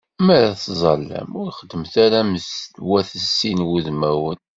Mi ara tettẓallam, ur xeddmet ara am wat sin wudmawen.